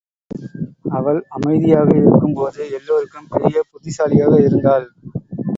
அவள் அமைதியாக இருக்கும்போது எல்லோருக்கும் பெரிய புத்திசாலியாக இருந்தாள்.